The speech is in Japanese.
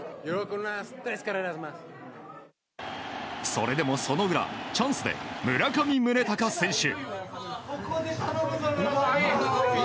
それでもその裏チャンスで村上宗隆選手。